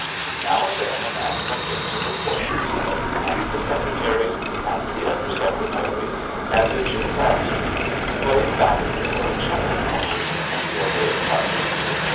Now and then a man comes in to report himself, And the secretaries and the undersecretaries and the chaprassies play battledore and shuttlecock with him until they are tired.